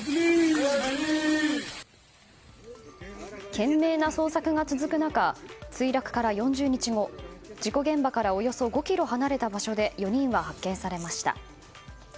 懸命な捜索が続く中墜落から４０日後事故現場からおよそ５ｋｍ離れた場所で４人は発見されました。